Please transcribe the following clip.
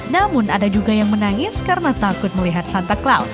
namun ada juga yang menangis karena takut melihat santa claus